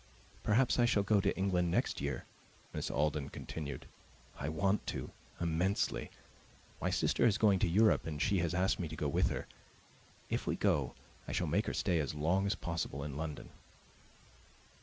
"Perhaps I shall go to England next year," Miss Alden continued; "I want to, immensely. My sister is going to Europe, and she has asked me to go with her. If we go, I shall make her stay as long as possible in London."